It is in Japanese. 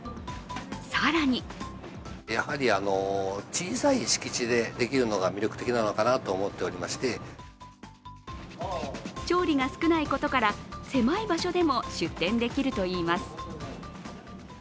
更に調理が少ないことから狭い場所でも出店できるといいます。